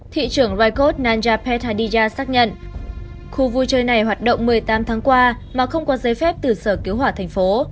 thị trưởng rycote nanja pethadija xác nhận khu vui chơi này hoạt động một mươi tám tháng qua mà không có giấy phép từ sở cứu hỏa thành phố